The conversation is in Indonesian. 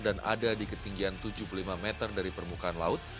dan ada di ketinggian tujuh puluh lima meter dari permukaan laut